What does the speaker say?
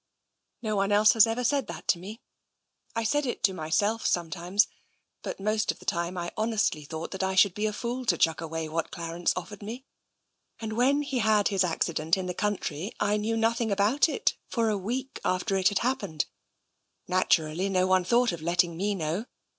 " No one else has ever said that to me. I said it to myself sometimes — but most of the time I honestly thought that I should be a fool to chuck away what Clarence offered me. And when he had his accident, in the country, I knew nothing about it for a week after it had happened — naturally, no one thought of letting me know.